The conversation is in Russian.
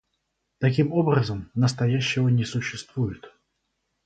Таким образом, настоящего не существует.